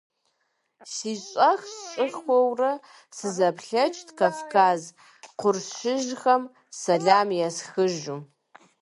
Сэ щӀэх-щӀэхыурэ сызэплъэкӀт, Кавказ къуршыжьхэм сэлам есхыжу.